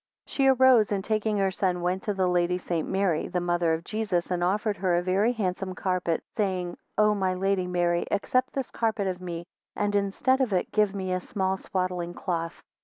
2 She arose, and taking her son, went to the Lady St. Mary, the mother of Jesus, and offered her a very handsome carpet, saying, O my Lady Mary accept this carpet of me, and instead of it give me a small swaddling cloth.